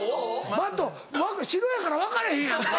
Ｍａｔｔ白やから分かれへんやんか。